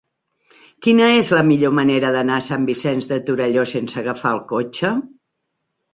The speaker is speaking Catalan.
Quina és la millor manera d'anar a Sant Vicenç de Torelló sense agafar el cotxe?